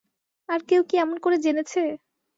আর কেউ কি এমন করে জেনেছে।